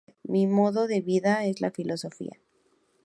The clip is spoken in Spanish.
Mi modo de vida es la filosofía".